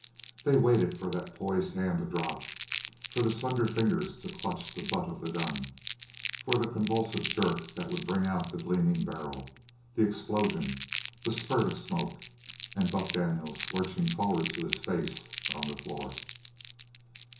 They waited for that poised hand to drop, for the slender fingers to clutch the butt of the gun, for the convulsive jerk that would bring out the gleaming barrel, the explosion, the spurt of smoke, and Buck Daniels lurching forward to his face on the floor.